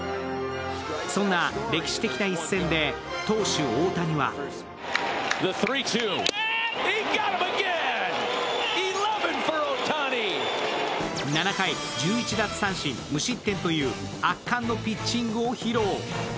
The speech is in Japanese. そんな歴史的な一戦で投手・大谷は７回・１１奪三振・無失点という圧巻のピッチングを披露。